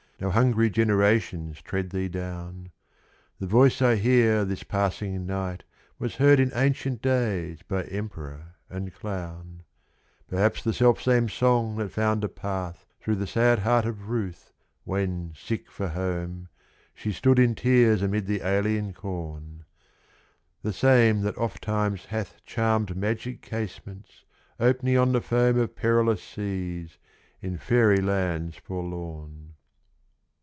No hungry generations tread thee down; The voice I hear this passing night was heard In ancient days by emperor and clown: Perhaps the self same song that found a path 65 Through the sad heart of Ruth, when, sick for home, She stood in tears amid the alien corn; The same that oft times hath Charmed magic casements, opening on the foam Of perilous seas, in faery lands forlorn.